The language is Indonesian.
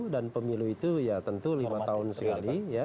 dan pemilu itu ya tentu lima tahun sekali ya